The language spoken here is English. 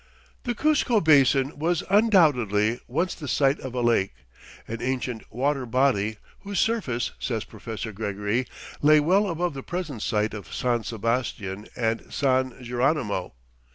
The Cuzco Basin was undoubtedly once the site of a lake, "an ancient water body whose surface," says Professor Gregory, "lay well above the present site of San Sebastian and San Geronimo."